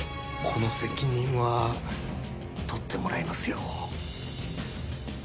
この責任は取ってもらいますよ小豆沢さん。